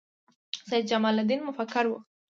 سید جمال الدین مفکر و